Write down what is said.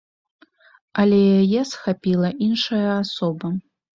Але яе схапіла іншая асоба.